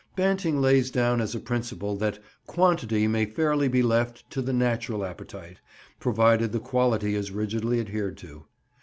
Banting lays down as a principle that "quantity may fairly be left to the natural appetite, provided the quality is rigidly adhered to."